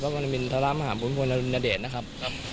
พระกรมินทรมาหาภูมิพลนรรุณเดชนะครับ